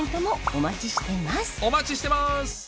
お待ちしてます